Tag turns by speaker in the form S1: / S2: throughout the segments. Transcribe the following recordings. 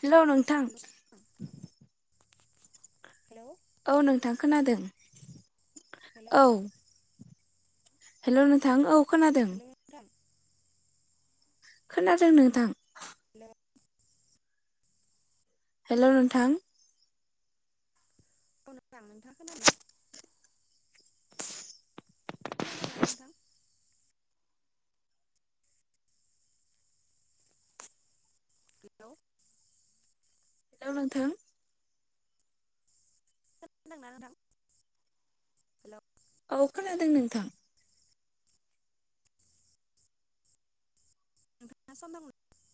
S1: हेल' नोंथां।
S2: Hello hello
S1: औ नोंथां खोनादों
S2: हेलौ
S1: औ हेल' नोंथां औ खोनादों
S2: हेलौ नोंथां
S1: खोनादों नोंथां
S2: हेल'
S1: हेल' नोंथां
S2: औ नोंथां नोंथाङा खोनादोंना? खोनादोंना नोंथां। हेल'।
S1: हेल' नोंथां।
S2: [inaudible] हेलौ
S1: औ खोनादोंं नोंथां।
S2: [inaudible]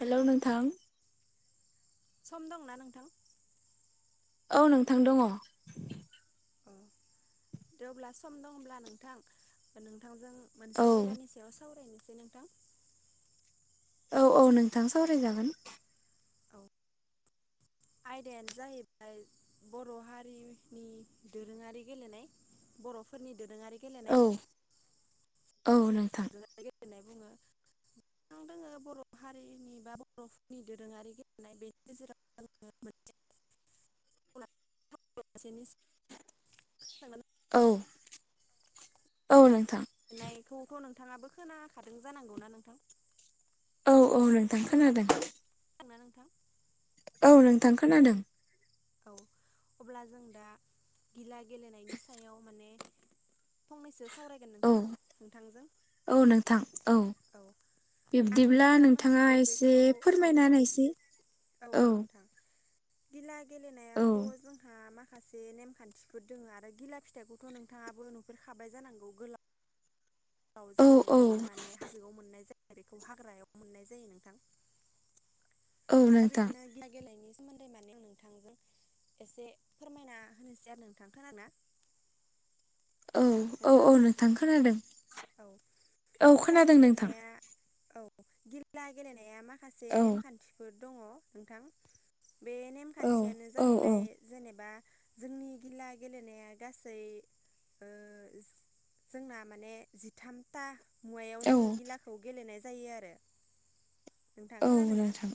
S1: हेल' नोंथां।
S2: सम दंना नोंथां।
S1: औ नोंथां दङ।
S2: अ दे अब्ला सम दं होनब्ला नोंथां नोंथांजों
S1: औ
S2: मोनसे आयदानि सायाव सावरायनोसै नोंथां।
S1: औ औ नोंथां सावराय जागोन।
S2: औ आयदायानो जाहैबाय बर' हारिनि दोरोङारि गेलेनाय। बर'फोरनि दोरोङारि
S1: औ
S2: गेलेनाय।
S1: औ नोंथां।
S2: होननाय बुङो। दङो बर' हारिनि बा बर'फोरनि दोरोङारि गेलेनाय बेनि गेजेराव
S1: [inaudible]
S2: [inaudible]
S1: औ। औ नोंथां
S2: लिरनायखौथ' नोंथाङाबो खोनाखादों जानांगौना नोंथां।
S1: औ औ नोंथां खोनादों।
S2: खोनादोंना नोंथां।
S1: औ नोंथां खोनादों।
S2: औ अब्ला जों दा गिला गेलेनायनि सायाव माने फंनैसो सावरायगोन
S1: औ
S2: नोंथां नोंथांजों
S1: औ नोंथां
S2: औ आं
S1: बिब्दिब्ला
S2: जा
S1: नोंथाङा
S2: मोनथिगौ
S1: एसे
S2: बेखौ औ
S1: फोरमायना
S2: औ
S1: होनाय एसे
S2: औ औ नोंथां गिला
S1: औ
S2: गेलेनायाथ जोंहा मा खासे नेमखान्थिफोर दोङो आरो गिला फिथाइखौथ नोंथाङाबो नुफेरखाबाय जानांगौ गोला लाव
S1: औ
S2: जायो
S1: औ
S2: बेयो माने हाजोआव मोननाय जायो बेखौ हाग्रायाव मोननाय जायो नोंथां
S1: औ
S2: दा
S1: नोंथां
S2: बिदिनो गिला [unintelligible] सोमोन्दै माने नोंथांजों एसे फोरमायना होनोसै आरो नोंथां खोनादोंना
S1: औ औ औ नोंथां खोनादों
S2: औ
S1: औ
S2: गिला
S1: खोनादों नोंथां
S2: गेलेनाया औ गिला गेलेनाया मा खासे
S1: औ
S2: नेमखान्थिफोर दङ नोंथां बे
S1: औ
S2: नेमखान्थियानो
S1: औ
S2: जाहैबाय जेनेबा जोंनि गिला गेलेनाया गासै ओ जोंना माने जिथामथा मुवायाव
S1: औ
S2: जोङो गिलाखौ गेलेनाय जायो आरो नोंथां
S1: औ
S2: खोनादोंना
S1: नोंथां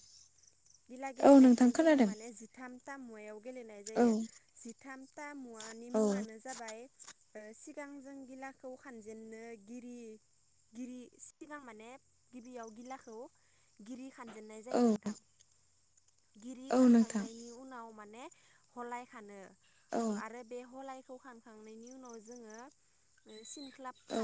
S2: गिला
S1: औ
S2: गेलेनायखौ
S1: नोंथां
S2: जोङो
S1: खोनादों
S2: माने जिथाम थाम मुवायाव गेलेनाय
S1: औ
S2: जायो जिथामथा मुवानि
S1: औ
S2: मुङानो जाबाय ओ सिगां जों गिलाखौ खानजेन [unintelligible] खानजेननाय
S1: औ
S2: जायो नोंथां गिरि
S1: औ नोंथां
S2: खानखांनायनि उनाव माने
S1: औ
S2: [unintelligible] खानखांनायनि उनाव जोङो
S1: औ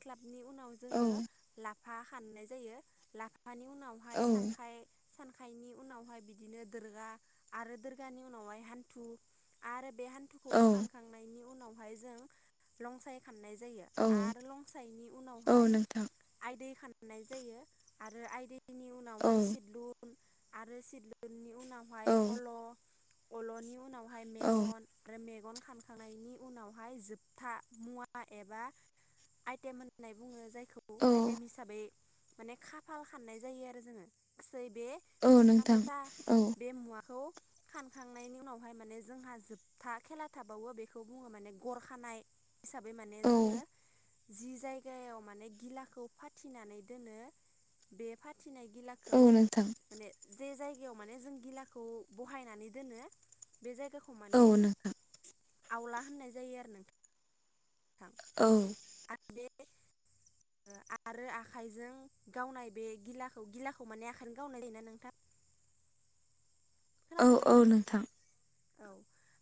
S2: [unintelligible] [unintelligible] उनाव
S1: औ
S2: जोङो लाफा खाननाय जायो लाफानि उनावहाय
S1: औ
S2: सानखाय सानखायनि उनावहाय बिदिनो दोर्गा आरो दोर्गानि उनावहाय हान्थु आरो बे हान्थुखौ बोखाखांनायनि उनावहाय जों लंसाय खाननाय जायो
S1: औ
S2: आरो लंसायनि
S1: औ
S2: उनावहाय
S1: नोंथां
S2: आइदै खाननाय जायो आरो आइदै बिनि उनावहाय
S1: औ
S2: सिदलुन आरो सिदलुननि उनावहाय
S1: औ
S2: अल अलनि उनावहाय
S1: औ
S2: मेगन आरो मे गन खानखांनायनि उनावहाय जोबथा मुवा एबा आइटेम होननानै बुङो जायखौ आइटेम हिसाबै माने खाफाल खान्नाय जायो आरो जोङो गासै बे
S1: औ नोंथां
S2: जिथामथा
S1: औ
S2: बे मुवाखौ खानखांनायनि उनावहाय माने जोंहा जोबथा खेला थाबावो बेखौ बुङो माने गर खानाय हिसाबै माने
S1: औ
S2: जोङो जि जायगायाव माने गिलाखौ फाथिनानै दोनो बे फा थिनाय गिलाखौ
S1: औ नोंथां
S2: माने जे जाय गायाव माने गिलाखौ बहायनानै दोनो बे जायगाखौ
S1: औ
S2: माने
S1: नोंथां
S2: आवला होननाय जायो आरो नोंथां
S1: औ
S2: आरो बे [unintelligible] आरो आखाइजों गावनाय बे गिलाखौ गिलाखौ माने आखाइजों गावनाय जायोना नोंथां
S1: औ औ नोंथां
S2: औ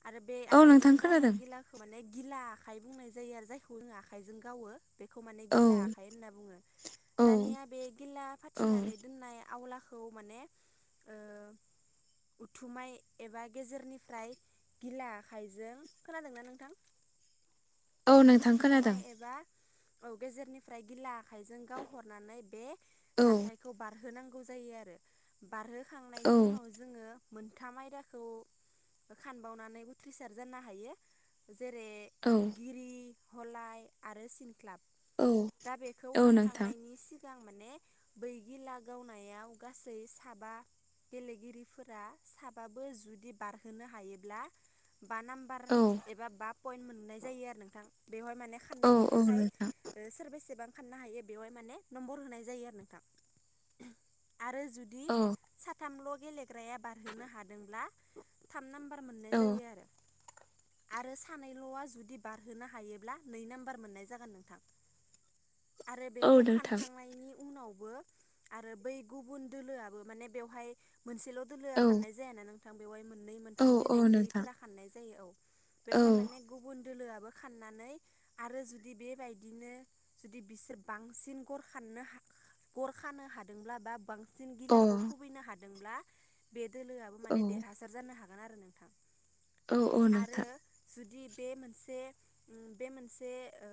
S2: आरो बे
S1: औ
S2: आखाइजों
S1: नोंथां
S2: गावनाय
S1: खोनादों
S2: गिलाखौ माने गिला आखाइ बुंनाय जायो आरो जायखौ जोङो आखाइजों गावो बेखौ माने
S1: औ
S2: गिला आखाइ होनना बुङो
S1: औ
S2: दानिया बे गिला
S1: औ
S2: फाथिनानै दोननाय आवलाखौ माने ओ उथुमाय एबा गेजेरनिफ्राय गिला आखायजों खोनादोंना नोंथां
S1: औ नोंथां खोनादों
S2: उथुमाय एबा औ गेजेरनिफ्राय गिला आखाइजों गावहरनानै बे
S1: औ
S2: जान्थाइखौ बारहोनां गौ जायो आरो
S1: औ
S2: बारहोखांनायनि उनाव जोङो मोनथाम आयदाखौ खानबावनानै उथ्रिसार जानो हायो जेरै
S1: औ
S2: गिरि हलाय आरो सिनख्लाब
S1: औ
S2: दा बेखौ
S1: औ नोंथां
S2: फानखांनायनि सिगां सिगां माने बै गिला गावनायाव गासै साबा गेलेगिरिफोरा साबाबो जुदि बारहोनो हायोब्ला बा नाम्बार
S1: औ
S2: एबा बा पइन्ट मोननाय जायो आरो नोंथां बेवहाय माने
S1: औ
S2: खारनायनि
S1: औ
S2: थाखाय
S1: नोंथां
S2: सोरबेसेबां फाननो हायो बेवहाय माने नम्बर होनाय जायो आरो नोंथां। आरो जुदि
S1: औ
S2: साथामल' गेलेग्राया बारहोनो हादोंब्ला थाम नाम्बारा मोननाय
S1: औ
S2: जायो आरो। आरो सानैल'आ जुदि बारहोनो हायोब्ला नै नाम्बार मोननाय जागोन नोंथां।
S1: [inaudible]
S2: आरो
S1: औ
S2: बेखौ
S1: नोंथां
S2: फानखांनायनि उनावबो आरो बै गुबुन दोलोआबो माने बेवहाय मोनसेल'
S1: औ
S2: दोलो खाननाय जाया ना नोंथां बेवहाय मोननै
S1: औ
S2: मोनथाम
S1: औ नोंथां
S2: गेलेगिरिफोरा खाननाय जायो औ
S1: औ
S2: बेवहाय माने गुबुन दोलोआबो खाननानै आरो जुदि बेबायदिनो जुदि बिसोर बांसिन गर गर खानो हादोंब्ला बा बांसिन जों
S1: अ
S2: गिलाखौ खुबैनो हादोंब्ला बे दोलोआबो
S1: औ
S2: माने देरहासार जानो हागोन आरो नोंथां।
S1: औ औ
S2: आरो
S1: नोंथां
S2: जुदि बे मोनसे बे मोनसे ओ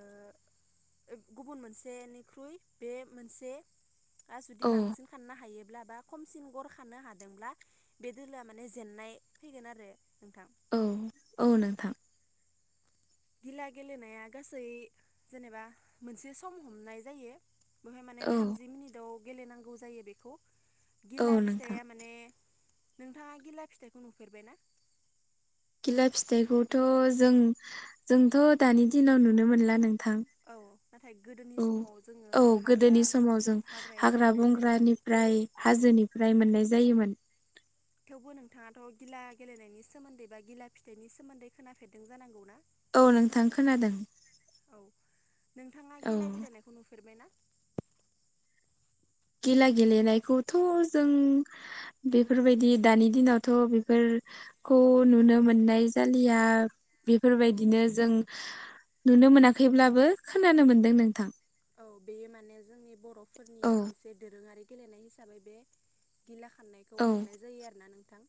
S2: गुबुन मोनसेनिख्रुइ बे मोनसे जुदि
S1: औ
S2: बांसिन खाननो हायोब्ला बा खमसिन गर खानो हादोंब्ला बे दोलोआ माने जेननाय फैगोन आरो नोंथां।
S1: औ औ नोंथां।
S2: गिला गेलेनाया गासै जेनेबा मोनसे सम हमनाय जायो। बेवहाय माने
S1: औ
S2: थामजि मिनिटाव गेलेनांगौ जायो बेखौ।
S1: औ
S2: गिला
S1: नोंथां
S2: फिथाइया माने नोंथाङा गिला फिथाइखौ नुफेरबायना?
S1: गिला फिथाइखौथ' जों जोंथ' दानि दिनाव नुनो मोनला नों
S2: औ नाथाय गोदोनि समाव जोङो
S1: औ
S2: हाग्रा
S1: गोदोनि
S2: हाग्रायाव मोननाय जायोमोन।
S1: फ्राय
S2: औ
S1: हाजोनिफ्राय मोननाय जायोमोन।
S2: थेवबो नोंथाङाथ' गिला गेलेनायनि सोमोन्दै बा गिला फिथाइनि सोमोन्दै खोनाफेरदों जानांगौ ना?
S1: औ नोंथां खोनादों।
S2: औ नोंथाङा
S1: औ
S2: गिला गेलेनायखौ नुफेरबायना?
S1: गिला गेलेनायखौथ' जों बेफोरबायदि दानि दिनावथ' बेफोर खौ
S2: औ
S1: नुनो मोननाय जालिया।
S2: औ
S1: बेफोरबायदिनो जों नुनो मोनाखैब्लाबो खोनानो मोन्दों नोंथां।
S2: औ बेयो माने जोंनि बर'फोरनि
S1: औ
S2: मोनसे दोरोङारि गेलेनाय हिसाबै बे गिला खारनायखौ
S1: औ
S2: हमनाय जायो आरो ना नोंथां।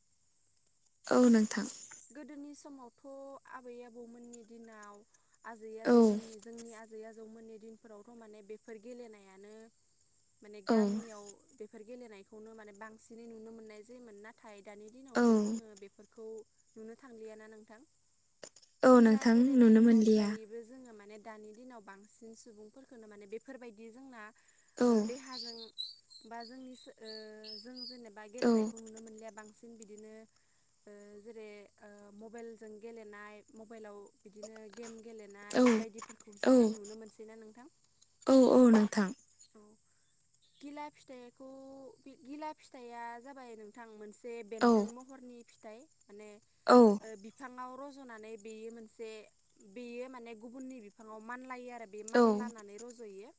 S1: औ नों
S2: गोदोनि समावथ' आबै आबौमोननि दिनाव
S1: औ
S2: आजै-आजौमोननि जोंनि आजै-आजौमोननि दिनफोरावथ' माने बेफोर गेलेनायानो माने
S1: औ
S2: गामियाव बेफोर गेलेनायखौनो माने बांसिनै नुनो मोननाय जायोमोन नाथाय दानि
S1: औ
S2: दिनावथ' जोङो बेफोरखौ नुनो थांलियाना नोंथां।
S1: औ
S2: गिला
S1: नोंथां नुनो
S2: गेलेनायनि
S1: मोनलिया
S2: अनगायैबो जोङो मा ने दानि दिनाव बांसिन सुबुंफोरखौनो माने बेफोरबायदि जोंना
S1: औ
S2: ओ देहाजों बा जोंनि सो ओ जों जेनेबा
S1: औ
S2: गेलेनायखौ नुनो मोनलिया बांसिन बिदिनो ओ जेरै ओ मबाइलजों गेलेनाय मबाइलाव बिदिनो गेम
S1: औ
S2: गेलेनाय बायदिफोरखौसो
S1: औ
S2: जों नुनो मोनसैना नोंथां।
S1: औ औ नोंथां
S2: गिला फिथाइखौ बे गिला फिथाइया जाबाय नोंथां मोन से
S1: औ
S2: बेन्दों महरनि फिथाइ माने
S1: औ
S2: ओ बिफाङाव रज'नानै बेयो मोनसे बेयो माने गुबुननि बिफाङाव मान लायो आ दा बे
S1: औ
S2: मानलानानै रज'यो।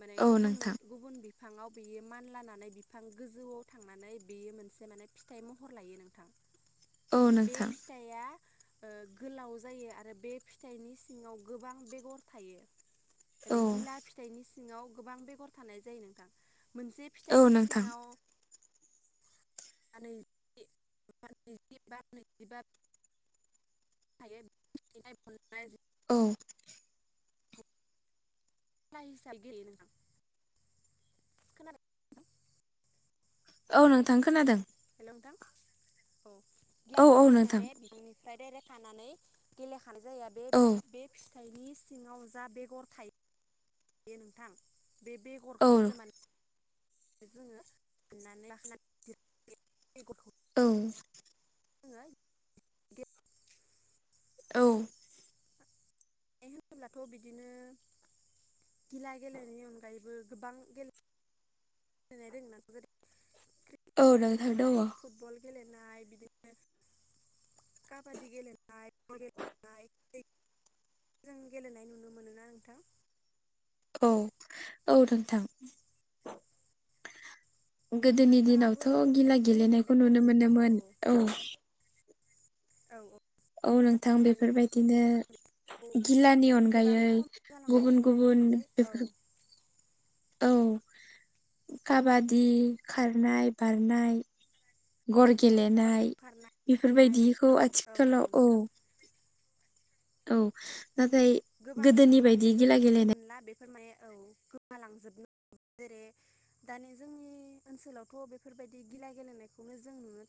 S2: माने
S1: औ
S2: गुबुन मोन
S1: नोंथां
S2: गुबुन बि बिफाङाव बेयो मानलानानै बिफां गोजौआव थांनानै बेयो मोनसे माने फिथाइ महर लायो
S1: औ
S2: नोंथां बे
S1: नोंथां
S2: फिथाइया ओ गोलाव जायो आरो बे फिथाइनि सिङाव गोबां बेगर थायो
S1: औ
S2: माने गिला फिथाइनि सिङाव गोबां बेगर थानाय जायो नोंथां मोनसे
S1: औ
S2: फिथाइनि
S1: नोंथां
S2: सिङाव बिदिब्ला बिदिबा थायो बिनिफाय मोन्नाय जायो
S1: औ
S2: टाइसायगेलेयो नोंथां खोनादों
S1: औ नोंथां खोनादों
S2: हेल' नोंथां औ गिला
S1: औ औ
S2: फिथाइखौ
S1: नोंथां
S2: माने बिफांनिफ्राय डायरेक्ट खानानै गेला खानाय जाया बे
S1: औ
S2: बे फि थाइनि सिङाव जा बेगर थायो दे नोंथां बे
S1: औ
S2: बेगरखौसो माने जोङो हाननानै लाखानानै बेगर
S1: औ
S2: जोंङो गे
S1: औ
S2: बे होनोब्लाथ बिदिनो गिला गेलेनायनि अनगायैबो गोबां गेले गोजोन्नाय दं ना जेरै
S1: औ
S2: क्रिकेट
S1: नोंथां दङ
S2: गेलेनाय फुटबल गेलेनाय बिदिनो काबादि गेलेनाय इक जों गेलेनाय नुनो मोनोना नोंथां
S1: औ औ नोंथां गोदोनि
S2: नोंथाङाबो
S1: दिनावथ गिला गेलेनायखौ
S2: गेलेफेरबाय
S1: नुनो
S2: जानांगौ
S1: मोनोमोन औ
S2: औ औ
S1: औ नोंथां
S2: नाथाय दानि दिनावथ'
S1: बेफोरबायदिनो
S2: जोंखौ
S1: घिलानि
S2: गोबां
S1: अनगायै
S2: खम
S1: गुबुन
S2: जालांनायखौ नुनो
S1: गुबुन
S2: मोनबाय औ
S1: बेफोर औ काबादि खारनाय बारनाय गर गेले
S2: खारनाय बारनाय
S1: नायबेफोरबायदिखौ
S2: बिदिनो
S1: आथिखालाव औ
S2: नोंथां
S1: औ नाथाय गोदोनि बायदि गिला गेलेनाय
S2: फोरमाये औ गोमालांजोबनो जेरै दानि जोंनि ओनसोलावथ बेफोरबायदि गिला गेलेनायखौनो जों नुनो